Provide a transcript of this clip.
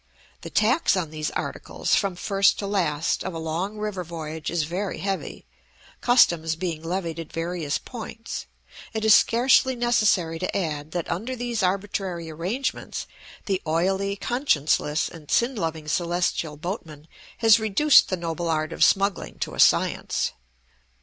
The tax on these articles from first to last of a long river voyage is very heavy, customs being levied at various points; it is scarcely necessary to add that under these arbitrary arrangements, the oily, conscienceless and tsin loving Celestial boatman has reduced the noble art of smuggling to a science.